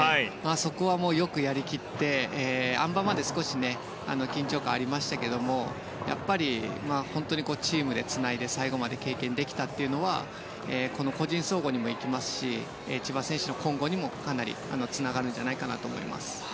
そこはよくやりきってあん馬まで少し緊張感がありましたけれども本当にチームでつないで最後まで経験できたというのはこの個人総合にも生きますし千葉選手の今後にもかなりつながるんじゃないかなと思います。